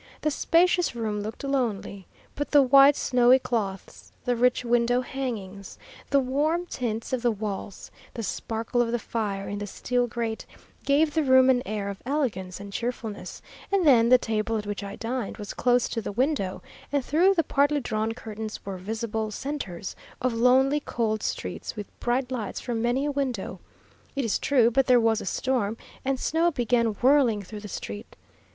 The spacious room looked lonely; but the white, snowy cloths, the rich window hangings, the warm tints of the walls, the sparkle of the fire in the steel grate, gave the room an air of elegance and cheerfulness; and then the table at which I dined was close to the window, and through the partly drawn curtains were visible centres of lonely, cold streets, with bright lights from many a window, it is true, but there was a storm, and snow began whirling through the street.